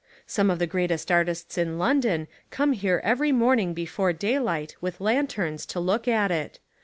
Some of the greatest artists in London come here every morning before daylight with lanterns to look at it.